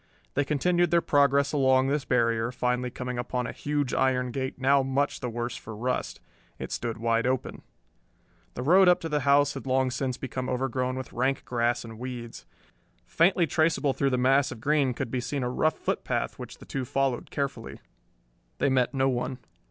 They continued their progress along this barrier, finally coming upon a huge iron gate now much the worse for rust. It stood wide open. The road up to the house had long since become overgrown with rank grass and weeds. Faintly traceable through the mass of green could be seen a rough footpath which the two followed carefully. They met no one.